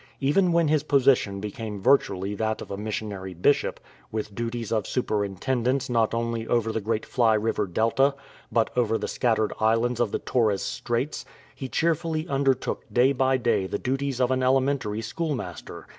Even when his position became virtually that of a missionary bishop, with duties of superintendence not only over the great Fly River delta, but over the scattered islands of the Torres Straits, he cheerfully undertook day by day the duties of 294 R. L. STEVENSON AND TAMATE an elementary schoolmaster.